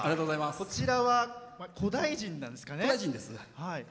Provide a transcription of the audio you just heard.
こちらは、古代人なんですかね。